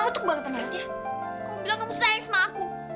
kamu tuk banget sama ratia kamu bilang kamu sayang sama aku